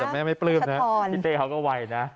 แต่แม่ไม่ปลื้มนะพี่เต้เขาก็ไวนะ